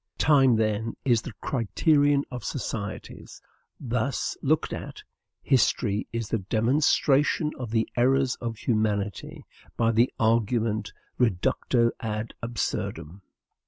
Time, then, is the criterion of societies; thus looked at, history is the demonstration of the errors of humanity by the argument reductio ad absurdum.